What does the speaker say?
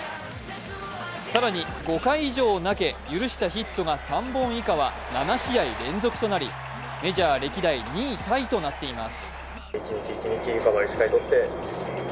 更に５回以上を投げ許したヒットは３本以下は７試合連続となりメジャー歴代２位タイとなっています。